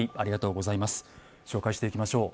紹介していきましょう。